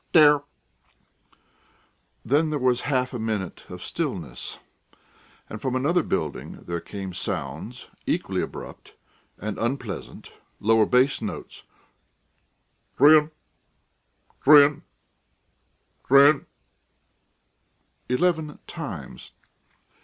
dair ... dair...." Then there was half a minute of stillness, and from another building there came sounds equally abrupt and unpleasant, lower bass notes: "Drin ... drin ... drin ..." Eleven times.